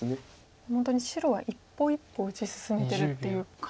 もう本当に白は一歩一歩打ち進めてるっていう感じ。